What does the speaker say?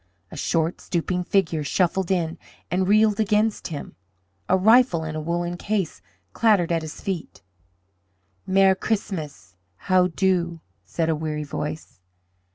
A short, stooping figure shuffled in and reeled against him. A rifle in a woollen case clattered at his feet. "Mer' Christmas! How do?" said a weary voice.